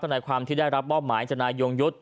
ตั้งแต่ความที่ได้รับบ้อมหมายจากนายยงยุทธ์